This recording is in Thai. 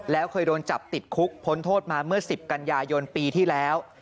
แล้วเคยโดนจับติดคุกพ้นโทษมาเมื่อ๑๐กันยายนปีที่แล้ว